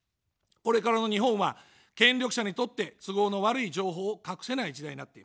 これからの日本は、権力者にとって都合の悪い情報を隠せない時代になっています。